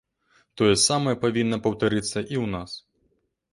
Тое самае павінна паўтарыцца і ў нас.